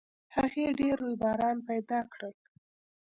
هغې ډېر رویباران پیدا کړل